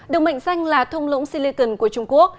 được mệnh danh là thông lũng silicon của trung quốc